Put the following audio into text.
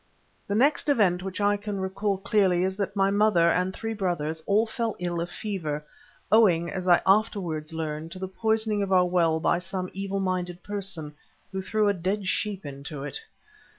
The next event which I can recall clearly is that my mother and three brothers all fell ill of fever, owing, as I afterwards learned, to the poisoning of our well by some evil minded person, who threw a dead sheep into it.